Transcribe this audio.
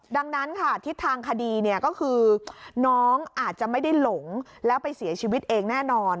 ดังนั้นค่ะทิศทางคดีเนี่ยก็คือน้องอาจจะไม่ได้หลงแล้วไปเสียชีวิตเองแน่นอน